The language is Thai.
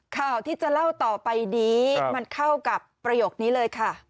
ข่าวที่จะเล่าต่อไปนี้มันเข้ากับประโยคนี้เลยค่ะ